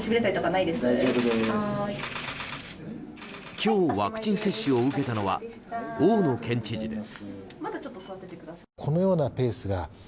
今日、ワクチン接種を受けたのは大野県知事です。